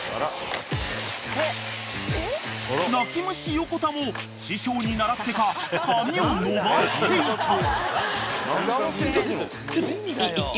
［泣き虫横田も師匠に倣ってか髪を伸ばしていた］